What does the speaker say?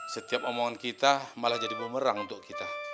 setiap omongan kita malah jadi bumerang untuk kita